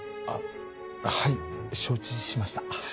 あっはい承知しました。